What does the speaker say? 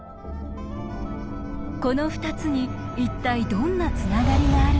この２つに一体どんなつながりがあるのか？